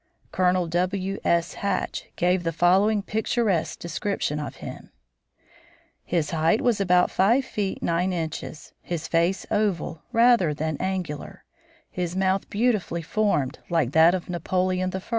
Colonel W. S. Hatch gave the following picturesque description of him: "His height was about five feet nine inches; his face, oval rather than angular; his mouth, beautifully formed, like that of Napoleon I.